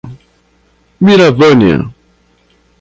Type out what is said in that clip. Miravânia